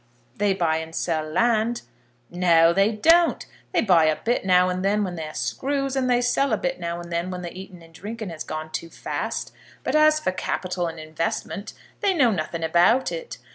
"They buy and sell land." "No; they don't. They buy a bit now and then when they're screws, and they sell a bit now and then when the eating and drinking has gone too fast. But as for capital and investment, they know nothing about it.